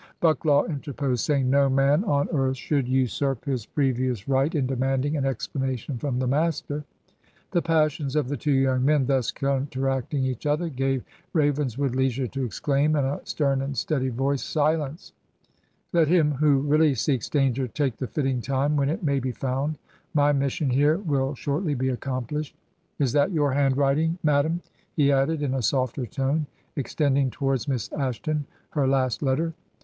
... Bucklaw interposed, saying, ' No man on earth should usurp his previous right in demanding an explsmation from the Master.' ... The passions of the two young men thus cotmteracting each other, gave Ravenswood leisure to exclaim, in a stem and steady voice, 'Silence I — let him who really seeks dsinger, t2ike the fitting time when it may be found; my mission here will shortly be accomplished. Is that your handwriting, madam?' he added, in a softer tone, extending towards Miss Ashton her last letter.